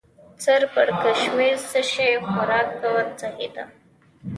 سر پړکمشر: څه شی؟ خوراک کوه، سهي ده.